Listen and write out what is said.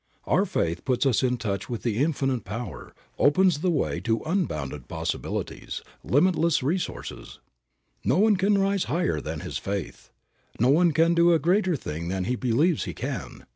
Our faith puts us in touch with Infinite Power, opens the way to unbounded possibilities, limitless resources. No one can rise higher than his faith. No one can do a greater thing than he believes he can.